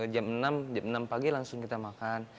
jam enam jam enam pagi langsung kita makan